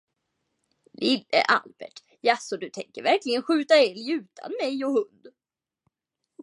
Lille Albert, jaså, du tänker verkligen skjuta älg utan mig och hund?